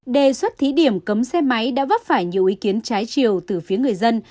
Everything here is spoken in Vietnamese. đề xuất thí điểm cấm xe máy đã vấp phải nhiều ý kiến trái chiều từ phía người dân